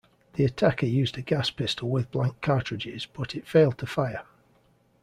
The attacker used a gas pistol with blank cartridges but it failed to fire.